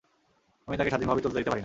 আমি তাকে স্বাধীনভাবে চলতে দিতে পারি না।